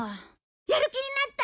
やる気になった？